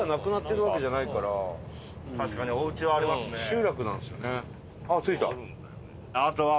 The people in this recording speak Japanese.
集落なんですよね。